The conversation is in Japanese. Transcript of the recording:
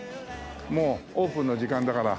もうオープンの時間だから。